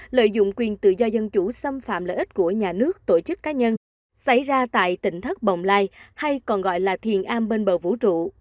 lợi dụng quyền tự do dân chủ xâm phạm lợi ích của nhà nước tổ chức cá nhân xảy ra tại tỉnh thất bồng lai hay còn gọi là thiền a bên bờ vũ trụ